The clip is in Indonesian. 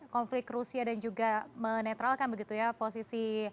konflik rusia dan juga menetralkan begitu ya posisi